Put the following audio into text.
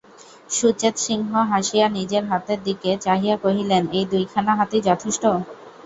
সুচেতসিংহ হাসিয়া নিজের হাতের দিকে চাহিয়া কহিলেন এই দুইখানা হাতই যথেষ্ট।